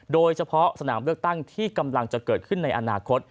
โดยเฉพาะสนามเลือกตั้งที่กำลังจะเกิดขึ้นในอนาคต